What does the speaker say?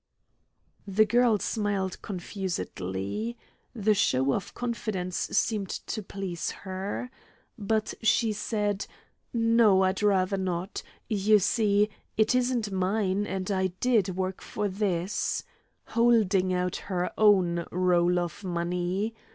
The girl smiled confusedly. The show of confidence seemed to please her. But she said, "No, I'd rather not. You see, it isn't mine, and I did work for this," holding out her own roll of money.